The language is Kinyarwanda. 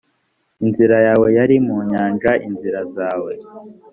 inzira yawe yari mu nyanja inzira zawe